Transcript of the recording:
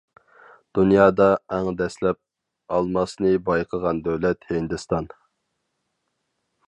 دۇنيادا ئەڭ دەسلەپ ئالماسنى بايقىغان دۆلەت-ھىندىستان.